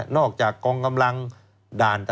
อกจากกองกำลังด่าน